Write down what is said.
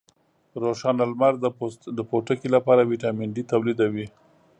روښانه لمر د پوټکي لپاره ویټامین ډي تولیدوي.